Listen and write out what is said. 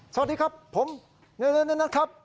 สวัสดีครับผมนี่นะครับ